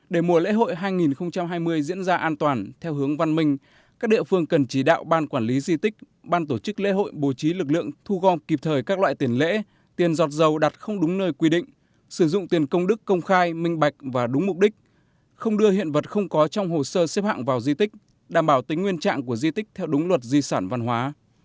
để mùa lễ hội hai nghìn hai mươi diễn ra an toàn theo hướng văn minh các địa phương cần chỉ đạo ban quản lý di tích ban tổ chức lễ hội bổ trí lực lượng thu gom kịp thời các loại tiền lễ tiền giọt dầu đặt không đúng nơi quy định sử dụng tiền công đức công khai minh bạch và đúng mục đích không đưa hiện vật không có trong hồ sơ xếp hạng vào di tích đảm bảo tính nguyên trạng của di tích theo đúng luật di sản văn hóa